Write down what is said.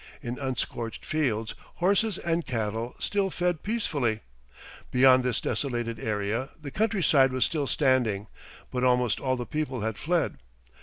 In unscorched fields horses and cattle still fed peacefully. Beyond this desolated area the countryside was still standing, but almost all the people had fled.